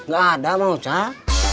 gak ada mang ochan